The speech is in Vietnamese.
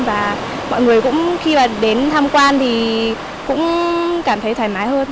và mọi người cũng khi đến thăm quan thì cũng cảm thấy thoải mái hơn